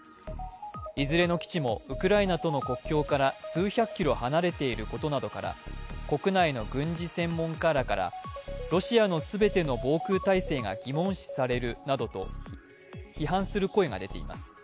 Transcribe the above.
いずれの基地もウクライナとの国境から数百ｋｍ離れていることから国内の軍事専門家らから、ロシアの全ての防空体制が疑問視されるなどと批判する声が出ています。